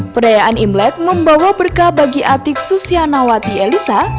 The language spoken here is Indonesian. perayaan imlek membawa berkah bagi atik susya nawati elisa